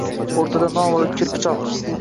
O‘rtada non va o‘tkir pichoq…